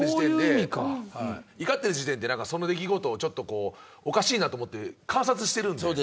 怒ってる時点で、その出来事をおかしいなと思って観察しているんです。